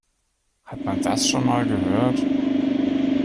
Hat man das schon mal gehört?